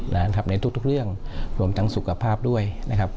ทำเน้นทุกเรื่องรวมทั้งสุขภาพด้วยนะครับ